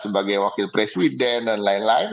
sebagai wakil presiden dan lain lain